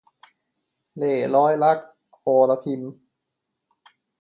เล่ห์ร้อยรัก - อรพิม